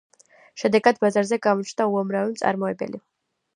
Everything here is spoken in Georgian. შედეგად, ბაზარზე გამოჩნდა უამრავი მწარმოებელი.